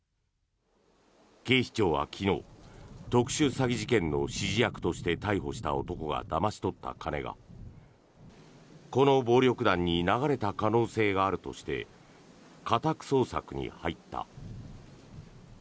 警視庁は昨日、特殊詐欺事件の指示役として逮捕した男がだまし取った金が、この暴力団に流れた可能性があるとして家宅捜索に入った。